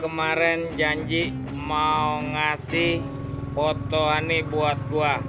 kemarin janji mau ngasih foto ani buat gue